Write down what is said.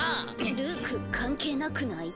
ルーク関係なくない？